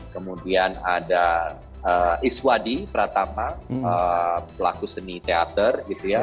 kemudian ada iswadi pratama pelaku seni teater